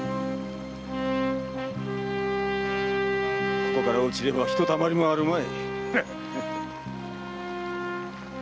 ここから落ちればひとたまりもあるまい。